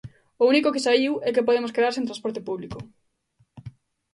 O único que saíu é que podemos quedar sen transporte público.